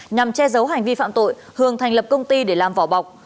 nhằm che giấu hành vi phạm tội hường thành lập công ty để làm vỏ bọc